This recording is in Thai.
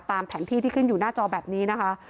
แผนที่ที่ขึ้นอยู่หน้าจอแบบนี้นะคะ